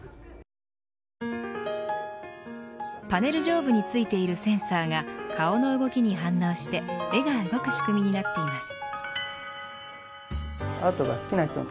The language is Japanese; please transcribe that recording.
パネル上部についているセンサーが顔の動きに反応して絵が動く仕組みになっています。